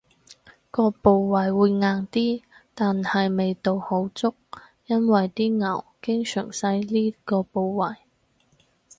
個部位會硬啲，但係味道好足，因爲啲牛經常使呢個部位